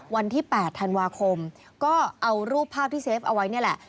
วันที่๘ธันวาคมก็เอารูปภาพที่เซฟเอาไว้นี่แหละ